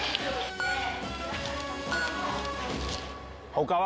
他は？